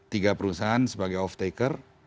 tiga perusahaan sebagai off taker